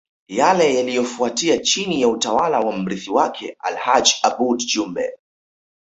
Yale yaliyofuatia chini ya utawala wa mrithi wake Alhaji Aboud Jumbe